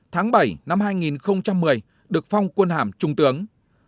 tháng bảy năm hai nghìn một mươi được phong quân hàm trung tướng